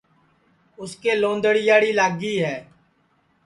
اُس کے لونٚدڑیاڑی لاگی ہے